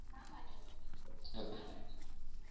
আত্মা সদা শুদ্ধ, সদা পূর্ণ, সদা অপরিণামী।